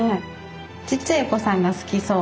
ちっちゃいお子さんが好きそう。